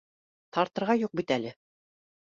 — Тартырға юҡ бит әле